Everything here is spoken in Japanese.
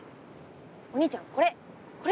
お兄ちゃんこれ！